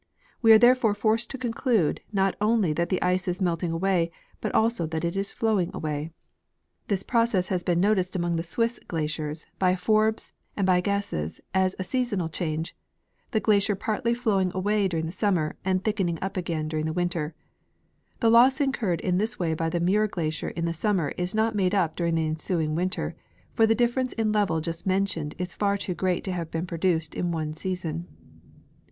We are therefore forced to conclude not only that the ice is melt ing away, but also that it is flowing away. This process has *Ice Age in North America, 18S9, pp. 51 .17. n— Nat. ffF.oo. Mag., vor,. TV, isn2. 36 H. F. Reid— Studies of Mair Glacier. been noticed among the Swiss glaciers by Forbes and by Agassiz as a seasonal change, the glacier partly flowing away during the summer and thickening up again during the winter. The loss incurred in this Avay by the Muir glacier in the summer is not made up during the ensuing winter, for the clifl'erence in level just mentioned is far too great to have been produced in one season.